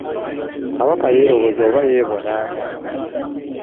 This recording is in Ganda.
Kabaka yeeroboza oba yeebonanya.